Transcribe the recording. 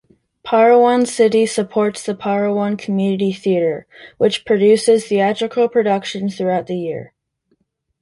Parowan City supports the Parowan Community Theatre, which produces theatrical productions throughout the year.